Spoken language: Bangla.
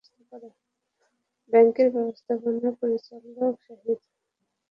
ব্যাংকের ব্যবস্থাপনা পরিচালক সহিদ হোসেনসহ পরিচালক, স্পনসরসহ বিপুলসংখ্যক শেয়ারহোল্ডার এতে অংশ নেন।